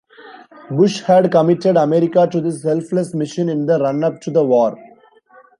Bush had committed America to this selfless mission in the run-up to the war.